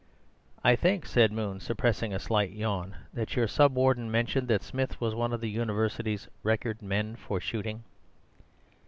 "I think," said Moon, suppressing a slight yawn, "that your Sub Warden mentioned that Smith was one of the University's record men for shooting."